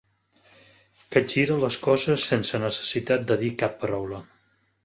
Capgira les coses sense necessitat de dir cap paraula.